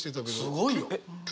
すごいよ！